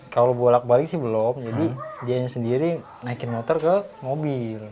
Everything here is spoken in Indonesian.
kalau bolak balik sih belum jadi dia sendiri naikin motor ke mobil